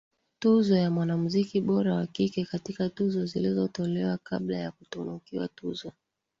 tuzo ya mwanamziki bora wa kike katika Tuzo zilizo tolewa kabla ya kutunukiwa tuzo